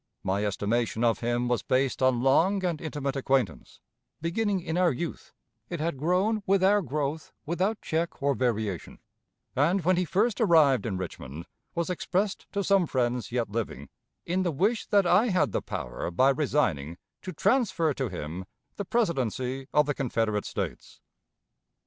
My estimation of him was based on long and intimate acquaintance; beginning in our youth, it had grown with our growth without check or variation, and, when he first arrived in Richmond, was expressed to some friends yet living, in the wish that I had the power, by resigning, to transfer to him the Presidency of the Confederate States.